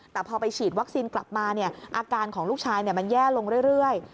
แต่พอไปฉีดวัคซีนกลับมาอาการของลูกชายมันแย่ลงเรื่อย